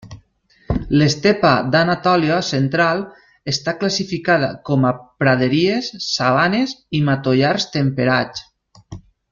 L'estepa d'Anatòlia Central està classificada com a praderies, sabanes i matollars temperats.